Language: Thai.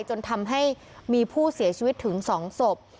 จนทำให้มีผู้เสียชีวิตถึง๒ศพ